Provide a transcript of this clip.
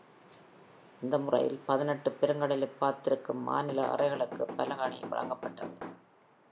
இந்த முறையில் பதினெட்டு பெருங்கடலைப் பார்த்திருக்கும் மாநில அறைகளுக்கு பலகணி வழங்கப்பட்டது.